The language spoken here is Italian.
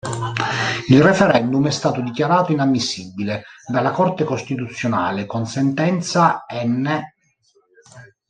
Il referendum è stato dichiarato inammissibile dalla Corte Costituzionale con sentenza n.